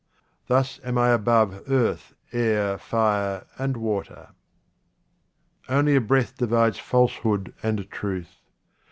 Thus am I above earth, air, fire, and water. Only a breath divides falsehood and truth.